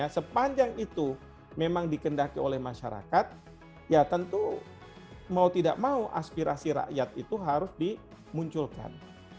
sepanjang itu memang dikendaki oleh masyarakat ya tentu mau tidak mau aspirasi rakyat itu harus dimunculkan